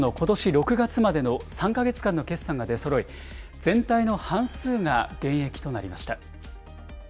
６月までの３か月間の決算が出そろい、全体の半数が減益となりました。